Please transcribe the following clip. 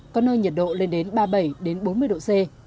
có nơi nhiệt độ lên đến ba mươi bảy bốn mươi độ c